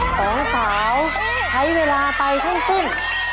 สองสาวใช้เวลาไปทั้งสิ้น